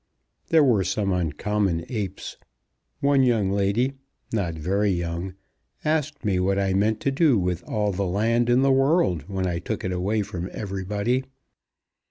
"There were some uncommon apes. One young lady, not very young, asked me what I meant to do with all the land in the world when I took it away from everybody.